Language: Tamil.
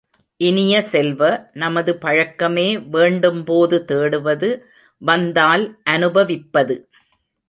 இனிய செல்வ, நமது பழக்கமே வேண்டும் போது தேடுவது வந்தால் அனுபவிப்பது.